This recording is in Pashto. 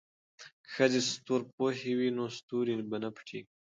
که ښځې ستورپوهې وي نو ستوري به نه پټیږي.